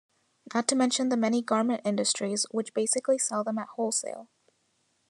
Not to mention the many garment industries, which basically sell them at wholesale.